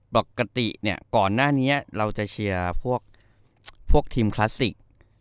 ปกติเนี่ยก่อนหน้านี้เราจะเชียร์พวกทีมคลาสสิก